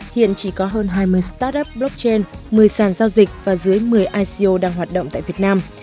hiện chỉ có hơn hai mươi start up blockchain một mươi sàn giao dịch và dưới một mươi ico đang hoạt động tại việt nam